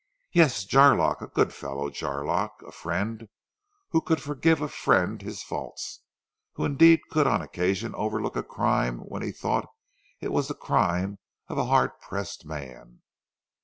"Yes, Jarlock! A good fellow, Jarlock. A friend who could forgive a friend his faults, who indeed could on occasion overlook a crime when he thought it was the crime of a hard pressed man."